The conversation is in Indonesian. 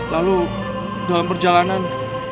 lalu dalam perjalanan